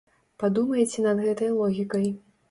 Падумайце над гэтай логікай.